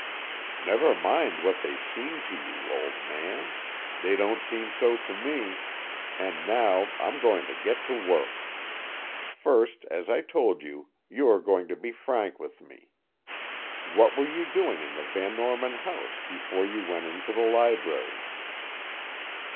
"Never mind what they seem to you, old man; they don't seem so to me, and now I'm going to get to work. First, as I told you, you are going to be frank with me. What were you doing in the Van Norman house before you went into the library?"